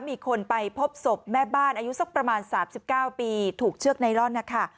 มีคนไปพบศพแม่บ้านอายุสักประมาณ๓๙ปีถูกเชือกไนลอนนะคะ